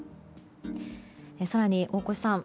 更に、大越さん